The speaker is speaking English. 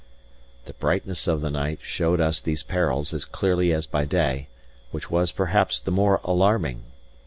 The brightness of the night showed us these perils as clearly as by day, which was, perhaps, the more alarming.